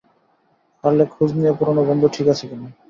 পারলে খোঁজ নিয়ো পুরানো বন্ধু ঠিক আছে কিনা।